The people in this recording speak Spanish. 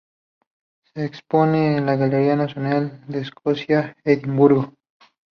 Se expone en el Galería nacional de Escocia, Edimburgo.